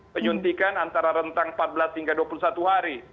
penyuntikan antara rentang empat belas hingga dua puluh satu hari